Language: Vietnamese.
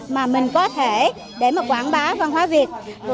mà mình có thể để mà quảng bá văn hóa việt